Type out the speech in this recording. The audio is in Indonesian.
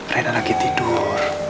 riana lagi tidur